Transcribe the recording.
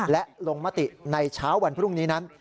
และลงมติในเช้าวันพรุ่งนี้นั้น